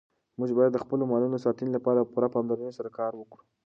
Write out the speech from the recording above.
موږ باید د خپلو مالونو د ساتنې لپاره په پوره پاملرنې سره کار وکړو.